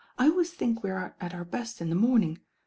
I always think we arc at our best in the morning.